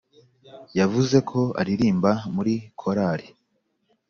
yavuze ko aririmba muri korari